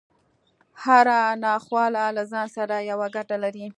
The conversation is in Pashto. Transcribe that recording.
هره ناخواله له ځان سره يوه ګټه لري.